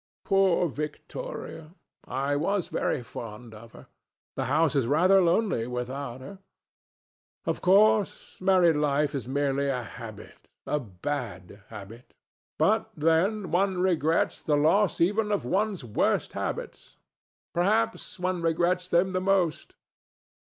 Poor Victoria! I was very fond of her. The house is rather lonely without her. Of course, married life is merely a habit, a bad habit. But then one regrets the loss even of one's worst habits. Perhaps one regrets them the most.